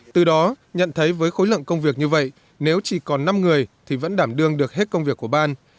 từ đó nhận thấy với khối lượng công việc như vậy nếu chỉ còn năm người thì vẫn đảm đương được hết công việc của ban